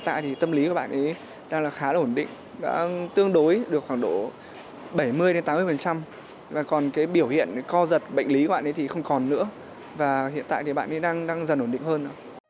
tâm lý của bạn ấy đang khá là ổn định tương đối được khoảng độ bảy mươi tám mươi còn biểu hiện co giật bệnh lý của bạn ấy thì không còn nữa và hiện tại bạn ấy đang dần ổn định hơn